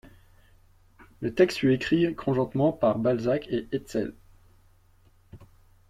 Le texte fut écrit conjointement par Balzac et Hetzel.